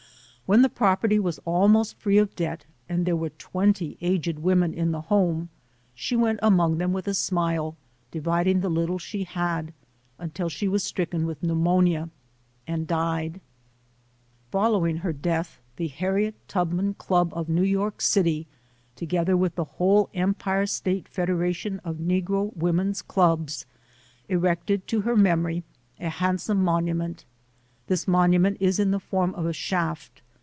When the property was almost free of debt and there were twenty aged women in the home, she went among them with a smile dividing the little she had, until she was stricken with pneumonia and died. Following her death, the Harriet Tubman Club HARRIET TUBMAN [ 101 of New York City, together with the whole Em pire State Federation of Negro Women's Clubs, erected to her memory a handsome monument. This monument is in the form of a shaft.